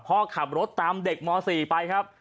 พ่อขับรถตามเด็กม๔ไปครับ